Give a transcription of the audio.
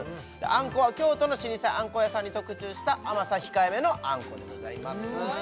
あんこは京都の老舗あんこ屋さんに特注した甘さ控えめのあんこでございます